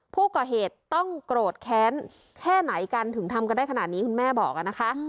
ผู้ก่อเหตุต้องโกรธแค้นแค่ไหนกันถึงทำกันได้ขนาดนี้คุณแม่บอกนะคะ